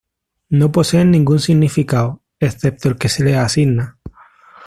No poseen ningún significado, excepto el que se les asigna.